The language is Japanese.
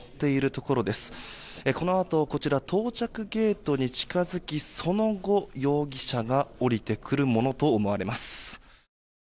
このあと、こちら到着ゲートに近づき、その後容疑者が降りてくるものと思われます。